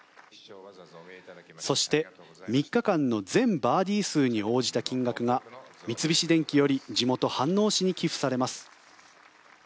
そして、３日間の全バーディー数に応じた金額が三菱電機より地元・飯能市に寄付されます。